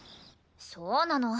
そうなの。